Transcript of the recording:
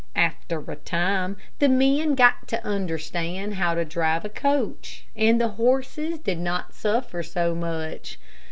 After a time, the men got to understand how to drive a coach, and the horses did not suffer so much.